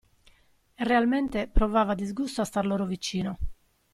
E realmente provava disgusto a star loro vicino.